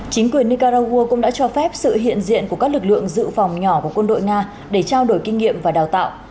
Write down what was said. chính quyền nicaragua cũng đã cho phép sự hiện diện của các lực lượng dự phòng nhỏ của quân đội nga để trao đổi kinh nghiệm và đào tạo